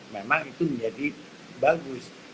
memang itu menjadi bagus